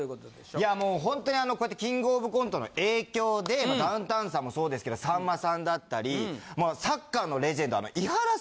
いやもうほんとにこうやって『キングオブコント』の影響でダウンタウンさんもそうですけどさんまさんだったり。